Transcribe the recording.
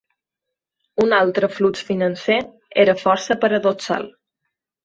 Un altre flux financer era força paradoxal.